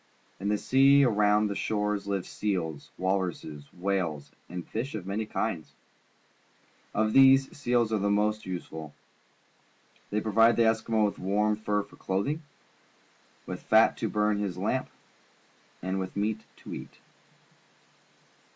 In the sea around their shores live seals, walruses, whales, and fish of many kinds. Of these, seals are the most useful. Thej' provide the An Eskimo Family Eskimo with warm fur for clothing, with fat to burn in his lamp, and with meat to eat.